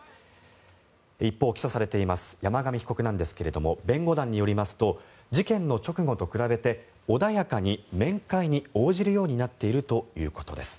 一方、起訴されています山上被告なんですけれども弁護団によりますと事件の直後と比べて穏やかに、面会に応じるようになっているということです。